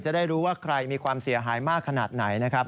จะได้รู้ว่าใครมีความเสียหายมากขนาดไหนนะครับ